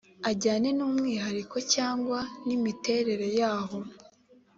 ajyane n’umwihariko cyangwa n’imiterere yaho